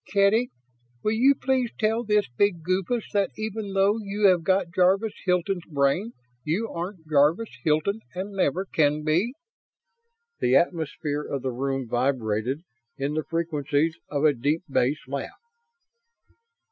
Kedy, will you please tell this big goofus that even though you have got Jarvis Hilton's brain you aren't Jarvis Hilton and never can be?" The atmosphere of the room vibrated in the frequencies of a deep bass laugh.